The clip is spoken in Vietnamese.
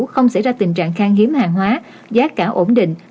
không xảy ra tình trạng khang hiếm hàng hóa giá cả ổn định